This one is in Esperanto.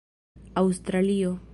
aŭstralio